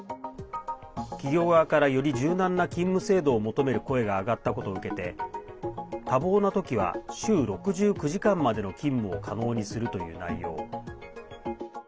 企業側からより柔軟な勤務制度を求める声が上がったことを受けて多忙な時は、週６９時間までの勤務を可能にするという内容。